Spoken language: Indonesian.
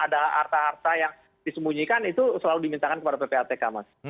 ada harta harta yang disembunyikan itu selalu dimintakan kepada ppatk mas